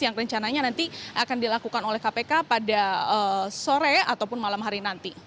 yang rencananya nanti akan dilakukan oleh kpk pada sore ataupun malam hari nanti